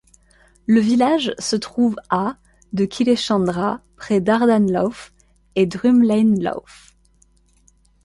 Le village se trouve à de Killeshandra, près d'Ardan Lough et Drumlane Lough.